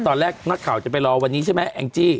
ตอนแรกนักข่าวจะไปรอวันนี้ใช่ไหมแองจี้